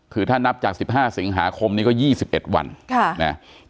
คือถ้านับจาก๑๕สิงหาคมนี้ก็๒๑วัน